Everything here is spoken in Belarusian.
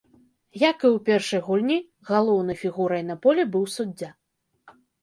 Як і ў першай гульні, галоўнай фігурай на полі быў суддзя.